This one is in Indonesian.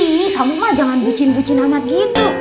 nih kamu mah jangan bucin bucin amat gitu